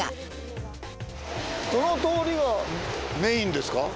この通りがメインですか？